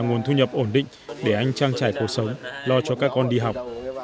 nguồn thu nhập ổn định để anh trang trải cuộc sống lo cho các con đi học